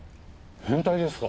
変態ですか？